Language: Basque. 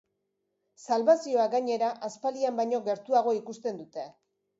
Salbazioa gainera, aspaldian baino gertuago ikusten dute.